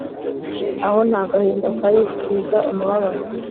aho nta gahinda kari, kiza umubabaro